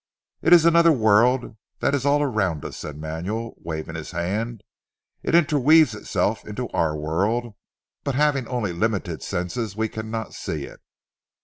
"It is another world that is all around us," said Manuel waving his hand, "it interweaves itself into our world but having only limited senses we cannot see it.